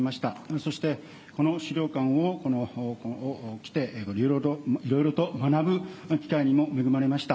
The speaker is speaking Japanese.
そしてこの資料館を来て、いろいろと学ぶ機会にも恵まれました。